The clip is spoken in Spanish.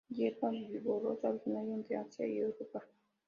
Hierba vigorosa, originaria de Asia y Europa.